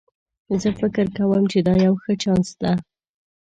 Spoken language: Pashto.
زه فکر کوم چې دا یو ښه چانس ده